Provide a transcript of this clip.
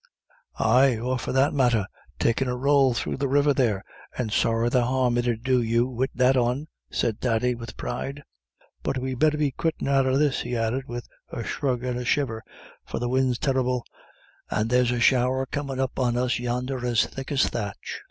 "Ay, or, for that matter, takin' a rowl through the river there, and sorra the harm it 'ud do you wid that on," said Thady, with pride. "But we'd better be quittin' out o' this," he added, with a shrug and a shiver, "for the win's tarrible, and there's a shower comin' up on us yonder as thick as thatch.